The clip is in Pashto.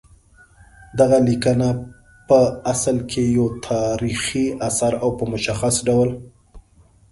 دغه لیکنه پع اصل کې یو تاریخي اثر او په مشخص ډول